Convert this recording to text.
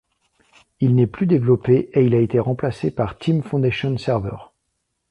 Il n'est plus développé et il a été remplacé par Team Foundation Server.